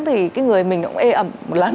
thì cái người mình cũng ê ẩm một lần